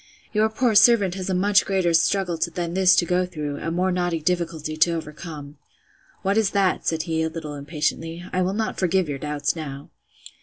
Your poor servant has a much greater struggle than this to go through, a more knotty difficulty to overcome. What is that? said he, a little impatiently: I will not forgive your doubts now.